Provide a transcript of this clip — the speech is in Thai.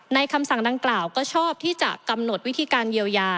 คำสั่งดังกล่าวก็ชอบที่จะกำหนดวิธีการเยียวยา